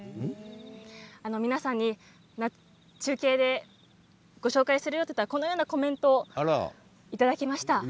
皆さんに中継でご紹介するよと言ったらこんなコメントをいただきました。